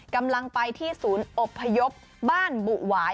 กำลังไปที่ศูนย์อบพยพบ้านบุหวาย